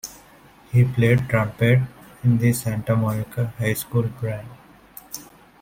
He played trumpet in the Santa Monica High School Band.